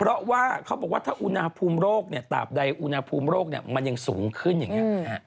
เพราะว่าเขาบอกว่าถ้าอุณหภูมิโรคเนี่ยตาบใดอุณหภูมิโรคมันยังสูงขึ้นอย่างนี้